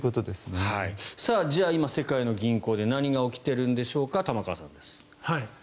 じゃあ、今、世界の銀行で何が起きているんでしょうか玉川さんです。